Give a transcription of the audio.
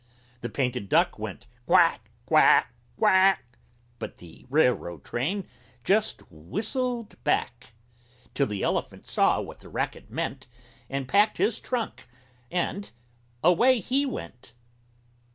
The painted Duck went "Quack! quack! quack!" But the Railroad Train just whistled back! Till the Elephant saw what the racket meant And packed his trunk and away he went!